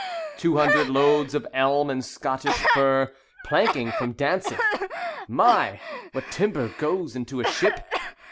Two hundred loads of elm and Scottish fir; Planking from Dantzig. My! What timber goes into a ship!